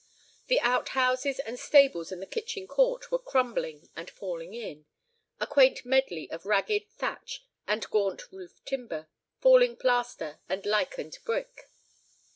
The out houses and stables in the kitchen court were crumbling and falling in—a quaint medley of ragged thatch and gaunt roof timber, falling plaster, and lichened brick.